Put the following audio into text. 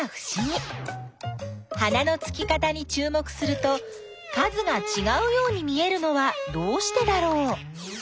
花のつき方にちゅうもくすると数がちがうように見えるのはどうしてだろう？